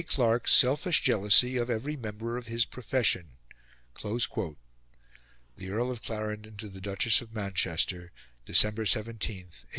Clark's selfish jealousy of every member of his profession." The Earl of Clarendon to the Duchess of Manchester, December 17, 1861.